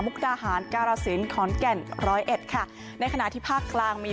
กดาหารการสินขอนแก่นร้อยเอ็ดค่ะในขณะที่ภาคกลางมี